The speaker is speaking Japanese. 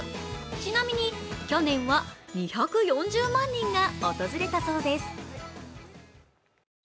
ちなみに去年は２４０万人が訪れたそうです。